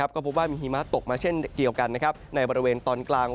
เมื่อวานนี้ก็พบว่ามีหิมะตกมาเช่นเดียวกันนะครับในบริเวณตอนกลาง